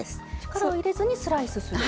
力を入れずにスライスする？